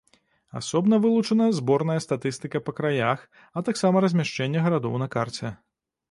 Асобна вылучана зборная статыстыка па краях, а таксама размяшчэнне гарадоў на карце.